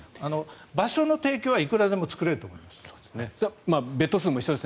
場所の提供はいくらでも作れると思います。